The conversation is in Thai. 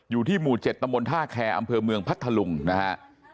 อยู่ที่หมู่๗ตำบลท่าแคร์อำเภอเมืองพัทธลุงนะฮะ